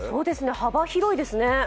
幅広いですね。